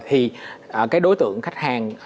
thì cái đối tượng khách hàng